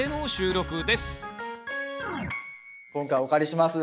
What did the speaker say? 今回お借りします。